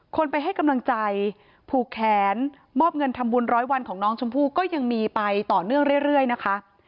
คนไปให้กำลังใจผูกแขนมอบเงินทำบุญร้อยวันของน้องชมพู่ก็ยังมีไปต่อเนื่องเรื่อยนะคะ